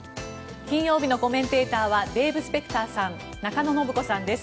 金曜日のコメンテーターはデーブ・スペクターさん中野信子さんです。